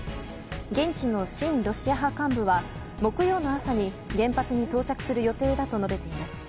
現地の親ロシア派幹部は木曜の朝に原発に到着する予定だと述べています。